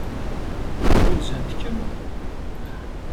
Ɣunzant-kem?